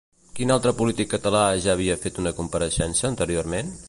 Quin altre polític català ja havia fet una compareixença anteriorment?